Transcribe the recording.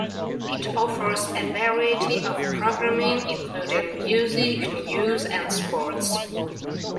It offers a variety of programming including music, news, and sports.